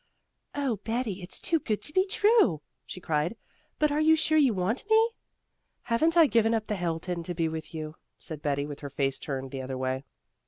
"Oh Betty, it's too good to be true," she cried, "but are you sure you want me?" "Haven't I given up the Hilton to be with you?" said Betty, with her face turned the other way.